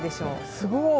すごい！